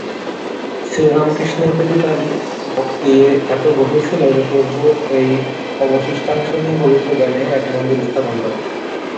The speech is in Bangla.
শ্রীরামকৃষ্ণের প্রতি তার ভক্তি এত গভীর ছিল যে, প্রভুর এই অবশিষ্টাংশ নিয়ে পবিত্র জ্ঞানে এক মন্দির স্থাপন করেন।